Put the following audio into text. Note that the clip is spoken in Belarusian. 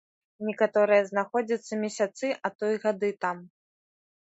Некаторыя знаходзяцца месяцы, а то і гады там.